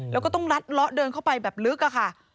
แล้วก็ต้องลัดเลาะเดินเข้าไปแบบลึกอะค่ะ